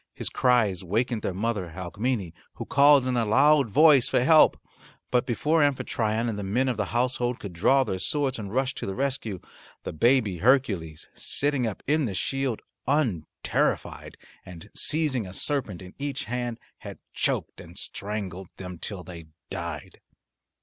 His cries wakened their mother, Alcmene, who called in a loud voice for help. But before Amphitryon and the men of the household could draw their swords and rush to the rescue, the baby Hercules, sitting up in the shield unterrified and seizing a serpent in each hand, had choked and strangled them till they died.